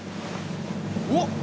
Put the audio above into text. おっ！